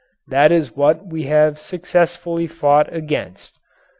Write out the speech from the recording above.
That is what we have successfully fought against.